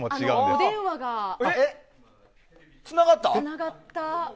あ、お電話がつながった。